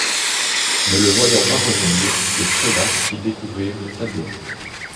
Ne le voyant pas revenir, le prélat fit découvrir le tableau.